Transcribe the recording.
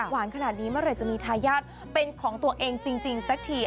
หวานขนาดนี้เมื่อไหร่จะมีทายาทเป็นของตัวเองจริงสักที